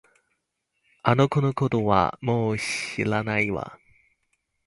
あの子のことはもう知らないわ